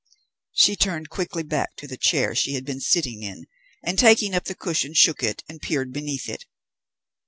She turned quickly back to the chair she had been sitting in, and taking up the cushion, shook it and peered beneath it.